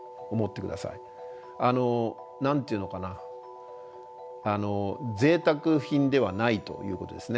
何て言うのかなぜいたく品ではないということですね。